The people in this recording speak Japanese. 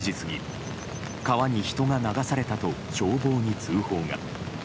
この川では、午後１時過ぎ川に人が流されたと消防に通報が。